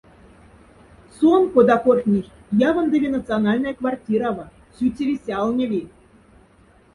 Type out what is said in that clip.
Сон, кода корхнихть, явондови национальнай квартирава, сюцеви-сялневи.